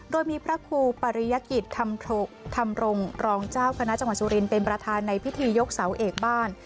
โดยมีพระครูปริยกิจธรรมรงค์รองเจ้าคณะจังหวัดสุรินเป็นประธานในพิธียกเสาเอกบ้าน